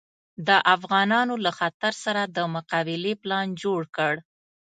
د افغانانو له خطر سره د مقابلې پلان جوړ کړ.